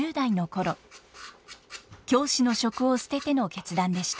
教師の職を捨てての決断でした。